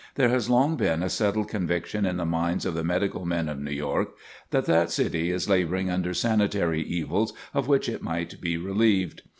There has long been a settled conviction in the minds of the medical men of New York, that that city is laboring under sanitary evils of which it might be relieved.